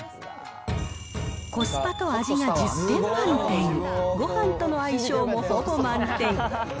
コスパと味が１０点満点、ごはんとの相性もほぼ満点。